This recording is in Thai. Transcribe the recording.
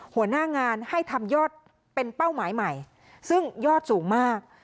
หัวหน้างานให้ทำยอดเป็นเป้าหมายใหม่ซึ่งยอดสูงมาก